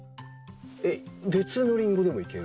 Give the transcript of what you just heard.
えっ別のリンゴでもいける？